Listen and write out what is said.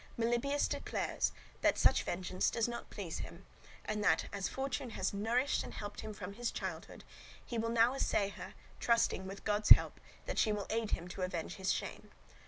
Melibœus declares that such vengeance does not please him, and that, as Fortune has nourished and helped him from his childhood, he will now assay her, trusting, with God's help, that she will aid him to avenge his shame.